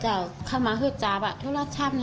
จ้าวคำมาคือจาวทุกราชชาปนี้